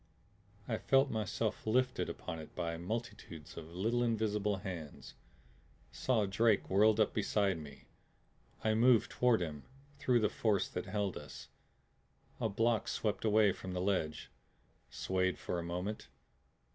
I felt myself lifted upon it by multitudes of little invisible hands; saw Drake whirling up beside me. I moved toward him through the force that held us. A block swept away from the ledge, swayed for a moment.